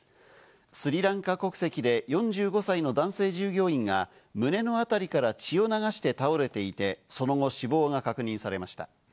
スリランカ国籍で４５歳の男性従業員が胸の辺りから血を流して倒れていて、その後死亡が確認されました。